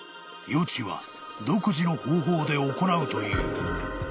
［予知は独自の方法で行うという］